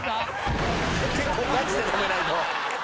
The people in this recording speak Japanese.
結構ガチで止めないと。